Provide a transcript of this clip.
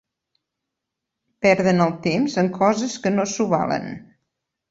Perden el temps en coses que no s'ho valen.